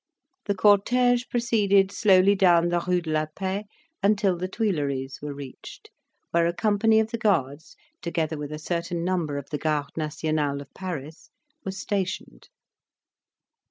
The cortege proceeded slowly down the Rue de la Paix until the Tuileries was reached, where a company of the Guards, together with a certain number of the Garde Nationale of Paris, were stationed.